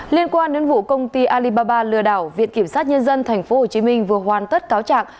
liên quan đến vụ công ty alibaba lừa đảo viện kiểm sát nhân dân tp hcm vừa hoàn tất cáo trạng